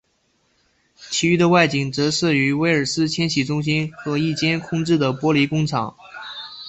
其余的外景则摄于威尔斯千禧中心和一间空置的玻璃工厂。